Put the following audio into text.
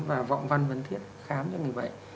và vọng văn vấn thiết khám cho người bệnh